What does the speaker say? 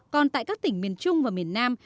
còn tại các tỉnh miền trung và miền nam